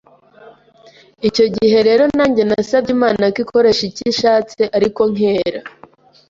Icyo gihe rero nanjye nasabye Imana ko ikoresha icyo ishatse ariko nkera,